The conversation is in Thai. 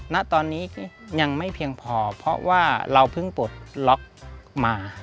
ณตอนนี้คือยังไม่เพียงพอเพราะว่าเราเพิ่งปลดล็อกมา